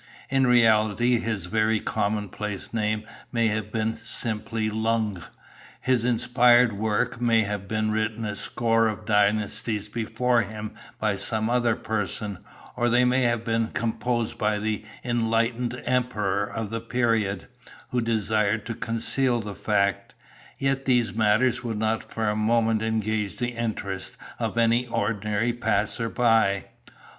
In reality his very commonplace name may have been simply Lung; his inspired work may have been written a score of dynasties before him by some other person, or they may have been composed by the enlightened Emperor of the period, who desired to conceal the fact, yet these matters would not for a moment engage the interest of any ordinary passer by.